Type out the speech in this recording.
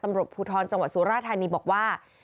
ตำรวจภูทรจังหาสตร์สุราชธรรมีบอกว่า